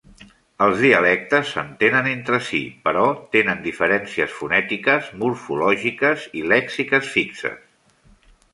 Els dialectes s'entenen entre sí però tenen diferències fonètiques, morfològiques i lèxiques fixes.